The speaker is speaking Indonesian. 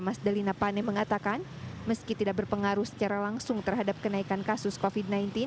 mas delina pane mengatakan meski tidak berpengaruh secara langsung terhadap kenaikan kasus covid sembilan belas